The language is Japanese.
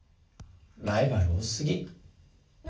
ライバル多すぎ。